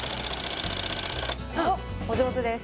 お上手です